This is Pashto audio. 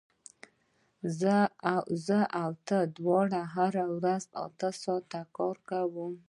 زه او ته دواړه هره ورځ اته ساعته کار کوو